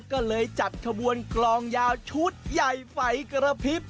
ก็เลยจัดขบวนกลองยาวชุดใหญ่ไฟกระพริบ